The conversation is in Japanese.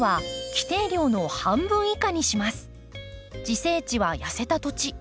自生地は痩せた土地。